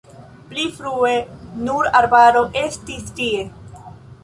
Pli frue nur arbaro estis tie.